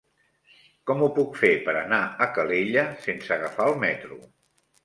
Com ho puc fer per anar a Calella sense agafar el metro?